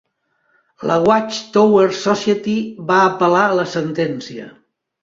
La Watch Tower Society va apel·lar la sentència.